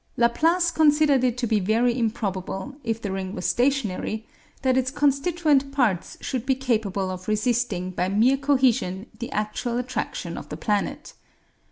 Laplace considered it to be very improbable, if the ring was stationary, that its constituent parts should be capable of resisting by mere cohesion the continual attraction of the planet.